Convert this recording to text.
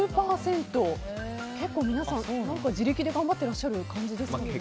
結構皆さん自力で頑張ってらっしゃる感じですね。